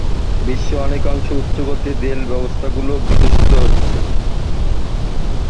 বিশ্বের অনেক অংশে উচ্চ গতির রেল ব্যবস্থাগুলি বিকশিত হচ্ছে।